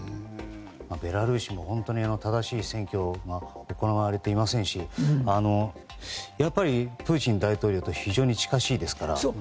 ベラルーシも正しい選挙が行われていませんしやっぱりプーチン大統領と非常に近しいですから。